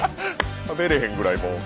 しゃべれへんぐらいもう。